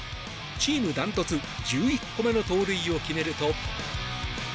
チームダントツ１１個目の盗塁を決めると。